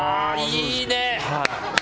いいね！